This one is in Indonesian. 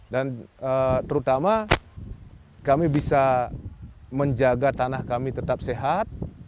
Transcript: dan terutama kami bisa menjaga tanah kami tetap sehat